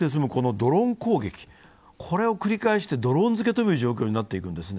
ドローン攻撃、これを繰り返してドローン漬けとも言える状況になっていくんですね。